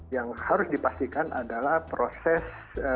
yang harus dipastikan adalah proses